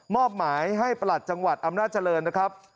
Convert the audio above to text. อบหมายให้ประหลัดจังหวัดอำนาจริงนะครับ